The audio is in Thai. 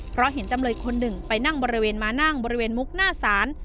เพราะเห็นจำเลยคนหนึ่งไปนั่งบริเวณมานั่งบริเวณมุกหน้าศาล